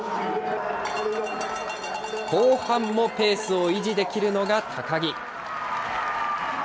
後半もペースを維持できるのが高木。